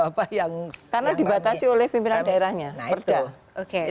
oke jadi tantangannya kayaknya harus yang pimpinan daerahnya gerinda harus dipaksa seperti itu